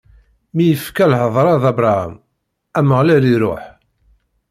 Mi yekfa lhedṛa d Abṛaham, Ameɣlal iṛuḥ.